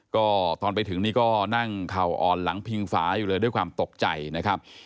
ก็ตอนไปถึงนี่ก็นั่งเข่าอ่อนหลังพิงฝาอยู่เลยด้วยความตกใจนะครับ